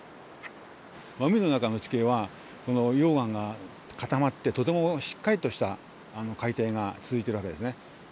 海の中の地形はこの溶岩が固まってとてもしっかりとした海底が続いているわけですね。